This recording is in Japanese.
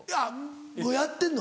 もうやってんの？